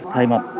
cảm ơn các bạn